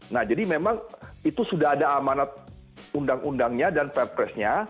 nah jadi memang itu sudah ada amanat undang undangnya dan perpresnya